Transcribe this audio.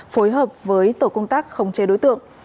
phối hợp với tổ công tác khống chế đối tượng